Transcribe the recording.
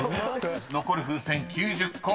［残る風船９０個。